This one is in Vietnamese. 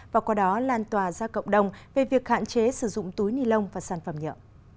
và qua đó lan tòa ra cộng đồng về việc hạn chế sử dụng túi nilon và sản phẩm nhựa